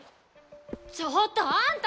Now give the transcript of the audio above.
ちょっとあんた！